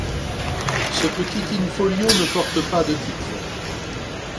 Ce petit in-folio ne porte pas de titre.